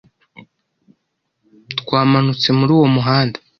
Twamanutse muri uwo muhanda